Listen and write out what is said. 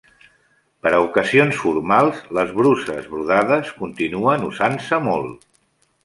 Per a ocasions formals, les bruses brodades continuen usant-se molt.